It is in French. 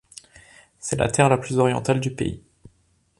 C’est la terre la plus orientale du pays.